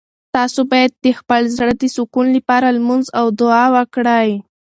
تاسو باید د خپل زړه د سکون لپاره لمونځ او دعا وکړئ.